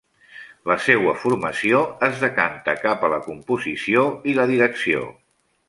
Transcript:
La seua formació es decanta cap a la composició i la direcció.